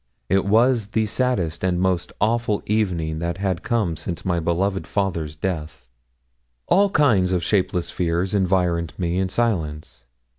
It was the saddest and most awful evening that had come since my beloved father's death. All kinds of shapeless fears environed me in silence.